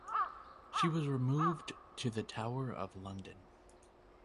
She was removed to the Tower of London.